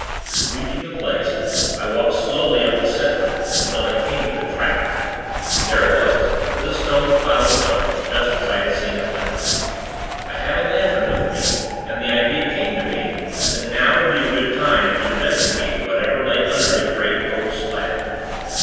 Reaching the place, I walked slowly up the center, until I came to the trap. There it was, with the stones piled upon it, just as I had seen it last. I had a lantern with me, and the idea came to me, that now would be a good time to investigate whatever lay under the great, oak slab.